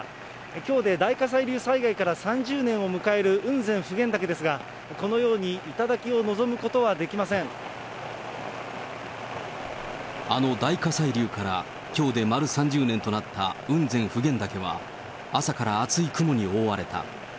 きょうで大火砕流災害から３０年を迎える雲仙・普賢岳ですが、このように、あの大火砕流から、きょうで丸３０年となった雲仙・普賢岳は、朝から厚い雲に覆われた。